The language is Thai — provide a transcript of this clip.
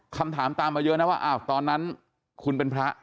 คำถามตามมาเยอะนะว่าอ้าวตอนนั้นคุณเป็นพระ